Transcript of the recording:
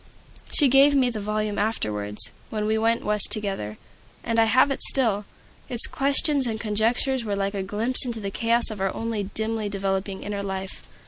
She gave me the volume afterwards, when we went West together, and I have it still. Its questions and conjectures were like a glimpse into the chaos of our own dimly developing inner life.